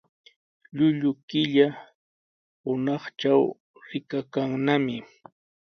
Llullu killa hunaqtraw rikakannami.